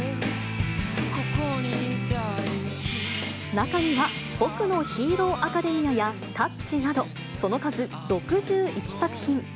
中には、僕のヒーローアカデミアやタッチなど、その数６１作品。